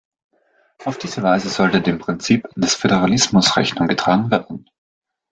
Auf diese Weise sollte dem Prinzip des Föderalismus Rechnung getragen werden.